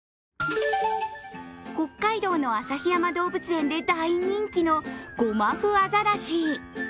北海道の旭山動物園で大人気のゴマフアザラシ。